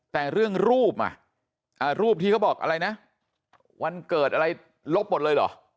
แต่เรื่องรูปอ่ะรูปที่เขาบอกอะไรนะวันเกิดอะไรลบหมดเลยเหรอ